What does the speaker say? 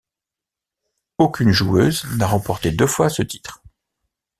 Aucune joueuse n’a remporté deux fois ce titre.